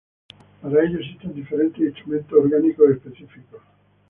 Para ello existen diferentes instrumentos orgánicos específicos.